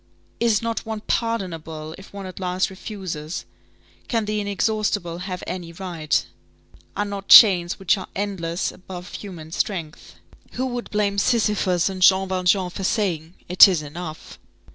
Is not one pardonable, if one at last refuses! Can the inexhaustible have any right? Are not chains which are endless above human strength? Who would blame Sisyphus and Jean Valjean for saying: "It is enough!"